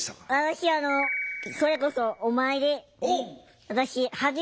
私あのそれこそお参りえっ！？